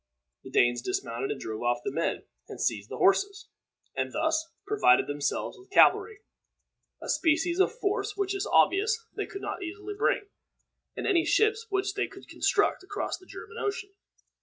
The Danes dismounted and drove off the men, and seized the horses, and thus provided themselves with cavalry, a species of force which it is obvious they could not easily bring, in any ships which they could then construct, across the German Ocean.